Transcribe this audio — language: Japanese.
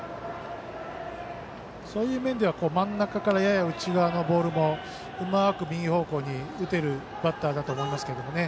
そういう面では真ん中からやや内側のボールもうまく右方向に打てるバッターだと思いますけどね。